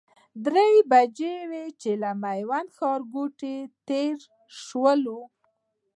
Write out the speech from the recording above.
درې بجې وې چې له میوند ښارګوټي تېر شولو.